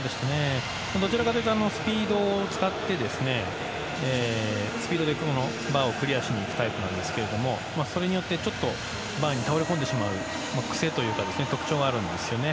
どちらかというとスピードを使ってスピードでバーをクリアしにいくタイプなんですけれどもそれでバーに倒れ込んでしまう癖というか特徴があるんですね。